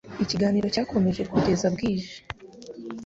Ikiganiro cyakomeje kugeza bwije.